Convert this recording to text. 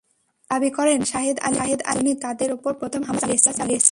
তিনি দাবি করেন, সাহেদ আলীর লোকজনই তাঁদের ওপর প্রথম হামলা চালিয়েছে।